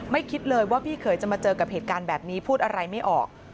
คิดเลยว่าพี่เขยจะมาเจอกับเหตุการณ์แบบนี้พูดอะไรไม่ออก